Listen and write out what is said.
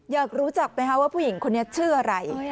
อยากรู้จักไหมคะว่าผู้หญิงคนนี้ชื่ออะไร